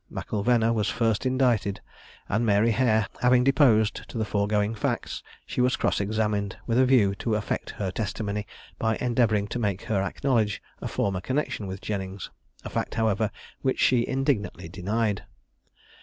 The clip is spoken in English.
M'Ilvena was first indicted; and Mary Hair having deposed to the foregoing facts, she was cross examined, with a view to affect her testimony, by endeavouring to make her acknowledge a former connexion with Jennings; a fact, however, which she indignantly denied.